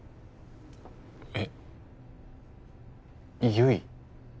えっ悠依？